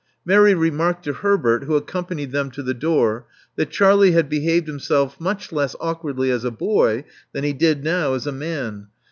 Maiy remarked to Herbert, who accompanied them to the door, that Charlie had behaved himself much less awkwardly as a boy than he did now as a man.